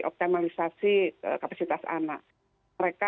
optimalisasi kapasitas anak mereka